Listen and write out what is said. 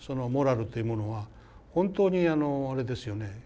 モラルというものは本当にあれですよね